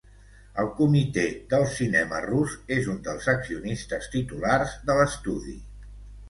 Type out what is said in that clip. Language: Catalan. El Comité del cinema rus és un dels accionistes titulars de l'estudi.